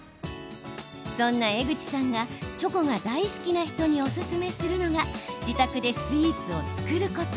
そんな江口さんがチョコが大好きな人におすすめするのが自宅でスイーツを作ること。